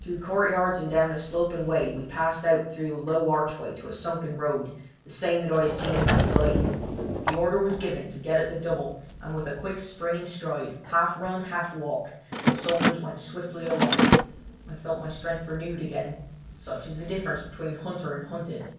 Through courtyards and down a sloping way we passed out through a low archway to a sunken road, the same that I had seen in my flight. The order was given to get at the double, and with a quick, springing stride, half run, half walk, the soldiers went swiftly along. I felt my strength renewed again—such is the difference between hunter and hunted.